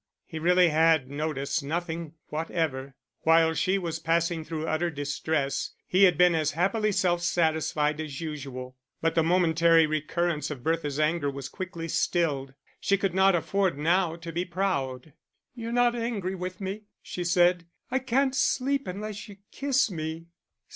He really had noticed nothing whatever; while she was passing through utter distress he had been as happily self satisfied as usual. But the momentary recurrence of Bertha's anger was quickly stilled. She could not afford now to be proud. "You're not angry with me?" she said. "I can't sleep unless you kiss me."